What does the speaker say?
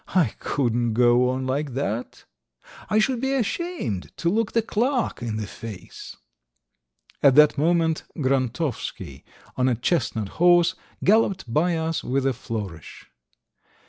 I couldn't go on like that! I should be ashamed to look the clerk in the face." At that moment Grontovsky, on a chestnut horse, galloped by us with a flourish.